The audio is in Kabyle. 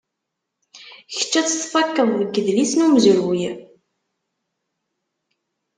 Kečč ad tt-tfakkeḍ deg idlisen umezruy.